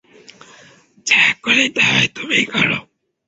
যা করিতে হয় তুমি করো।